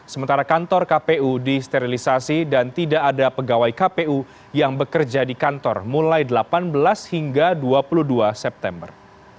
sementara kantor kpu disterilisasi dan tidak ada pegawai kpu yang bekerja di kantor mulai delapan belas hingga dua puluh dua september